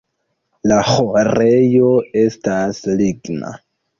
La ĥorejo estas ligna.